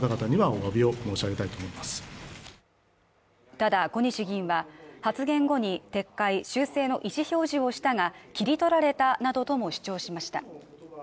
ただ、小西議員は発言後に撤回、修正の意思表示をしたが切り取られたなどとも主張しました。